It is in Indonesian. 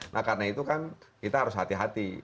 nah karena itu kan kita harus hati hati